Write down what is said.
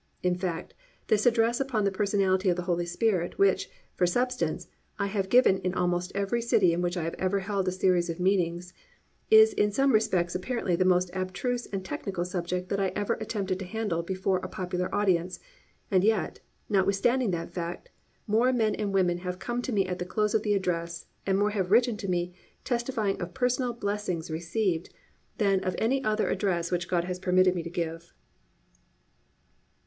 In fact, this address upon the Personality of the Holy Spirit which, for substance, I have given in almost every city in which I have ever held a series of meetings, is in some respects apparently the most abstruse and technical subject that I ever attempted to handle before a popular audience, and yet, notwithstanding that fact, more men and women have come to me at the close of the address and more have written to me, testifying of personal blessing received, than of any other address which God has permitted me to give.